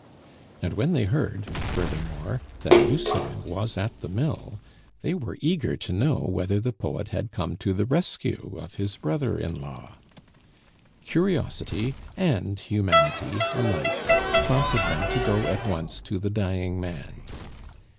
And when they heard, furthermore, that Lucien was at the mill, they were eager to know whether the poet had come to the rescue of his brother in law. Curiosity and humanity alike prompted them to go at once to the dying man.